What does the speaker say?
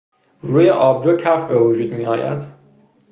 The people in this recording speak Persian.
روی آبجو کف به وجود میآید.